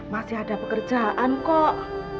masih ada pekerjaan kok